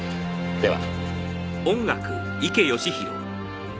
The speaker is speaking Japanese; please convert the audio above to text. では。